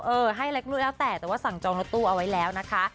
ให้เล็กด้วยแล้วแต่แต่ว่าสั่งจองรถตู้เอาไว้แล้วนะคะ